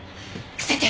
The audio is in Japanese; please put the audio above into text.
伏せて！